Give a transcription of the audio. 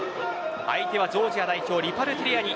相手はジョージア代表のリパルテリアニ。